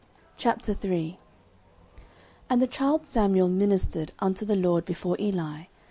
09:003:001 And the child Samuel ministered unto the LORD before Eli.